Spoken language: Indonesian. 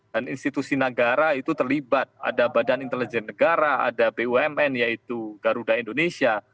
dan institusi negara itu terlibat ada badan intelijen negara ada bumn yaitu garuda indonesia